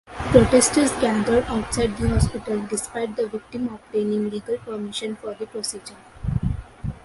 Protestors gathered outside the hospital despite the victim obtaining legal permission for the procedure.